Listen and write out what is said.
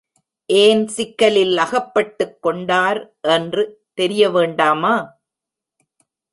ஏன் சிக்கலில் அகப்பட்டுக் கொண்டார் என்று தெரிய வேண்டாமா?